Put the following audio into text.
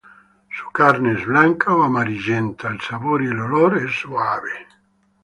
Su carne es blanca a amarillenta, el sabor y el olor es suave.